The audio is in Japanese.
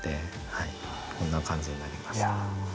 はいこんな感じになりました。